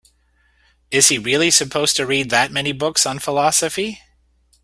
Is he really supposed to read that many books on philosophy?